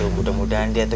mudah mudahan dia tuh